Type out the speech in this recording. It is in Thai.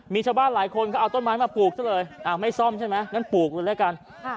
มีชาวบ้านหลายคนก็เอาต้นไม้มาปลูกซะเลยไม่ซ่อมใช่ไหมงั้นปลูกเลยแล้วกัน